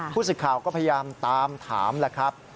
สิทธิ์ข่าวก็พยายามตามถามแล้วครับ